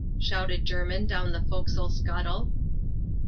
" shouted Jermin down the fore castle scuttle.